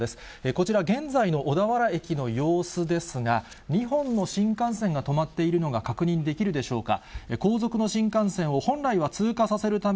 こちら、現在の小田原駅の様子ですが、２本の新幹線が止まっているのが確認できるでしょうか。